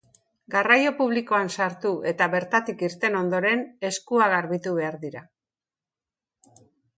Garraio publikoan sartu eta bertatik irten ondoren, eskuak garbitu behar dira.